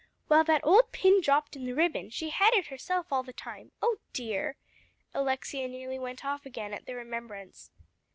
"Well, that old pin dropped in the ribbon; she had it herself all the time, oh dear!" Alexia nearly went off again at the remembrance.